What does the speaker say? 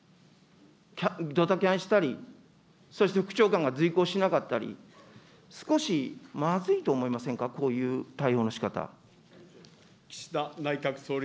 ドタキャンしたり、そして副長官が随行しなかったり、少しまずいと思いませんか、こういう対応のしかた。